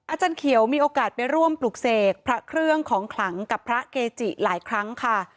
อาจารย์เขียวมีโอกาสไปร่วมปลูกเสกพระเครื่องของขลังกับพระเกจิหลายครั้งค่ะ